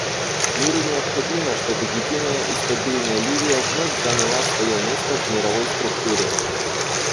Миру необходимо, чтобы единая и стабильная Ливия вновь заняла свое место в мировой структуре.